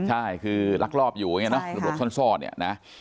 ใช่คือรักรอบอยู่ระบบทรนซ่อน